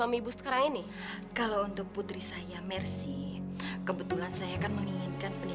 ini edisi kok bisa dibeli for the weekend si biuli maf bibik